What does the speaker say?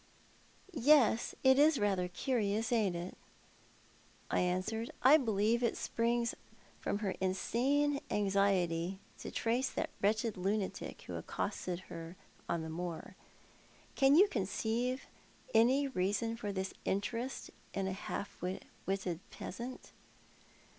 " Yes, it is ratlier curious, ain't it ?" I answered. " I believe it all springs from her insane anxiety to trace that wretched lunatic who accosted her on the moor. Can you conceive any reason for this interest in a half wutted peasant